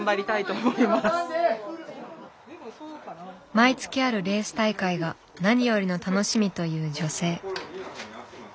毎月あるレース大会が何よりの楽しみという女性。